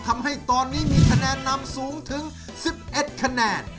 ทำให้ตอนนี้มีคะแนนนำสูงถึง๑๑คะแนน